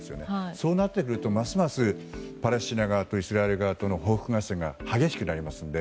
そうなってくるとますますパレスチナ側とイスラエル側の報復合戦が激しくなりますので。